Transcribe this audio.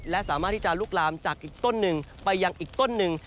และสามารถที่จะลุกลามจากอีกต้นหนึ่งไปยังอีกต้นหนึ่ง